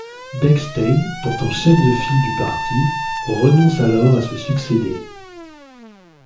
Beckstein, pourtant chef de file du parti, renonce alors à se succéder.